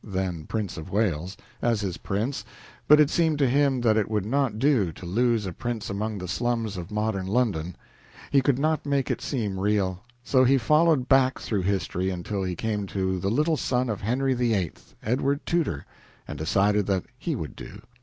(then Prince of Wales) as his prince, but it seemed to him that it would not do to lose a prince among the slums of modern London he could not make it seem real; so he followed back through history until he came to the little son of Henry VIII., Edward Tudor, and decided that he would do.